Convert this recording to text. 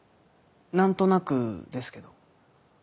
何となくですけど。